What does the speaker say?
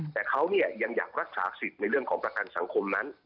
แต่เขายังอยากรักษาสิทธิ์ในเรื่องของประกันสังคมนั้น